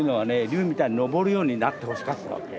龍みたいに昇るようになってほしかったわけ。